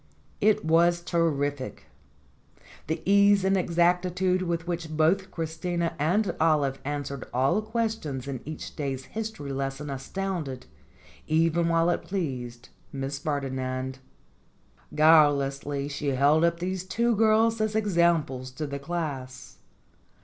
It was terrific. The ease and exactitude with which both Christina and Olive answered all questions in each day's history lesson astounded, even while it pleased, Miss Ferdinand. Guilelessly she held up these two girls as examples to the class.